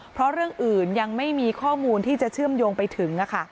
เพราะเรื่องอื่นยังไม่มีข้อมูลที่จะเชื่อมโยงไปถึง